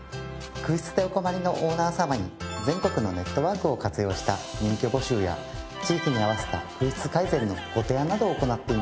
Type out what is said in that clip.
空室でお困りのオーナー様に全国のネットワークを活用した入居募集や地域に合わせた空室改善のご提案などを行っています。